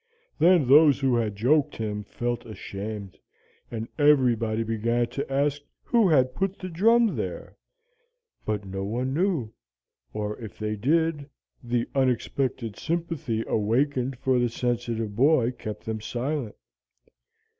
Then those who had joked him felt ashamed, and everybody began to ask who had put the drum there. But no one knew, or if they did, the unexpected sympathy awakened for the sensitive boy kept them silent.